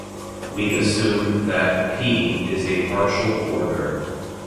We assume that "P" is a partial order.